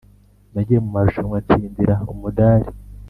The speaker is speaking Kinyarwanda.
Nagiye mu marushanwa ntsindira umudari